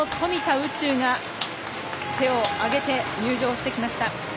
宇宙が手を挙げて入場してきました。